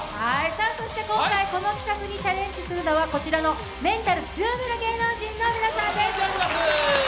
そして、今回この企画にチャレンジするのはメンタル強めの芸能人の皆さんです。